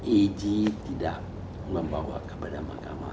eji tidak membawa kepada mahkamah